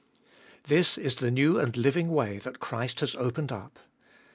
This is the new and living way that Christ has opened up.